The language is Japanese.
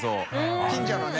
近所のね。